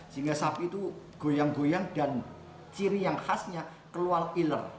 sehingga sapi itu goyang goyang dan ciri yang khasnya keluar iler